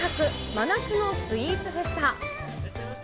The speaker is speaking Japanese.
真夏のスイーツフェスタ。